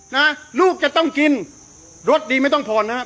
นะลูกจะต้องกินรสดีไม่ต้องผ่อนนะครับ